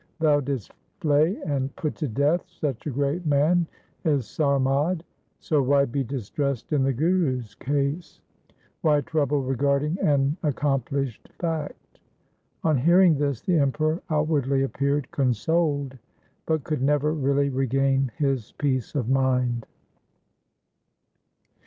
Thou didst flay and put to death such a great man as Sarmad, so why be distressed in the Guru's case ? Why trouble regarding an accomplished fact ?' On hearing this the Emperor outwardly appeared consoled, but could never really regain his peace of mind.